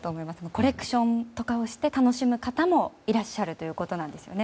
コレクションとかをして楽しむ方もいらっしゃるということです。